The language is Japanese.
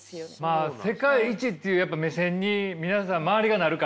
まあ世界一っていうやっぱ目線に皆さん周りがなるから。